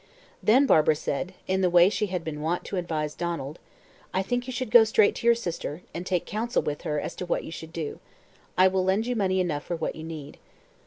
Then Barbara said, in the way she had been wont to advise Donald, "I think you should go straight to your sister, and take counsel with her as to what you should do. I will lend you money enough for what you need."